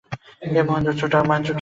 এ মহেন্দ্র ঝুঁটা মহেন্দ্র কি না!